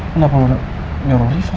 kenapa lo nyuruh rifah